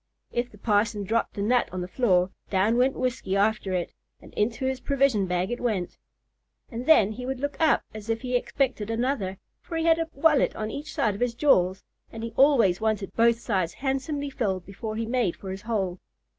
If the parson dropped a nut on the floor, down went Whiskey after it, and into his provision bag it went, and then he would look up as if he expected another; for he had a wallet on each side of his jaws, and he always wanted both sides handsomely filled before he made for his hole.